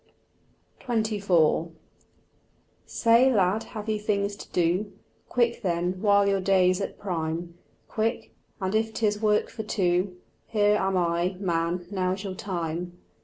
XXIV Say, lad, have you things to do? Quick then, while your day's at prime. Quick, and if 'tis work for two, Here am I, man: now's your time.